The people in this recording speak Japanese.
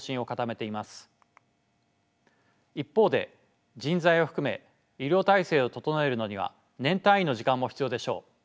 一方で人材を含め医療体制を整えるのには年単位の時間も必要でしょう。